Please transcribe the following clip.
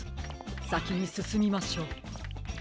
さきにすすみましょう。